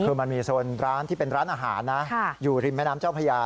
คือมันมีโซนร้านที่เป็นร้านอาหารนะอยู่ริมแม่น้ำเจ้าพญา